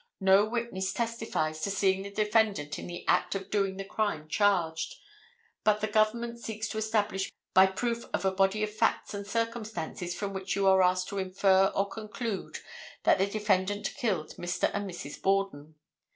No witness testifies to seeing the defendant in the act of doing the crime charged, but the government seeks to establish by proof a body of facts and circumstances from which you are asked to infer or conclude that the defendant killed Mr. and Mrs. Borden.